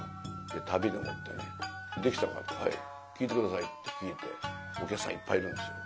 で旅でもってね「できたのか」って「はい。聴いて下さい」って聴いてお客さんいっぱいいるんですよ。